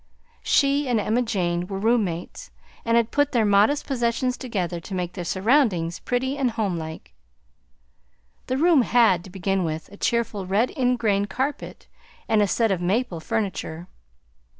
She and Emma Jane were room mates, and had put their modest possessions together to make their surroundings pretty and homelike. The room had, to begin with, a cheerful red ingrain carpet and a set of maple furniture.